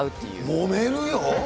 もめるよ。